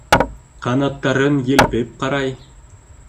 Ҡанаттарын елпеп ҡарай.